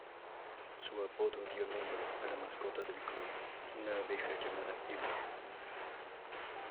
Su apodo dio nombre a la mascota del club, una abeja llamada Emma.